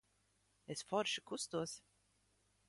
Es forši kustos.